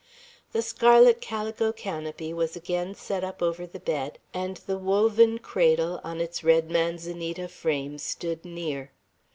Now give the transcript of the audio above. The scarlet calico canopy was again set up over the bed, and the woven cradle, on its red manzanita frame, stood near.